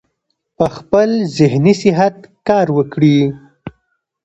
پۀ خپل ذهني صحت کار وکړي -